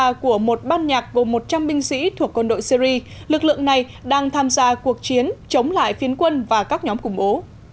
trong lễ diễu hành của một ban nhạc gồm một trăm linh binh sĩ thuộc con đội syri lực lượng này đang tham gia cuộc chiến chống lại phiến quân và các nhóm cùng ố